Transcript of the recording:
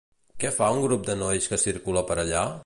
Què fa un grup de nois que circula per allà?